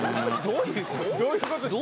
どういうことで。